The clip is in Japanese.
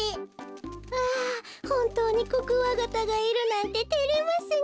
ああほんとうにコクワガタがいるなんててれますねえ。